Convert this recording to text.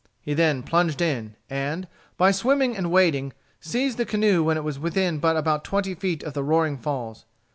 He then plunged in, and, by swimming and wading, seized the canoe when it was within but about twenty feet of the roaring falls.